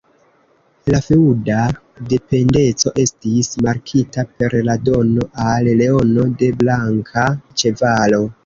La feŭda dependeco estis markita per la dono al Leono de blanka ĉevalo.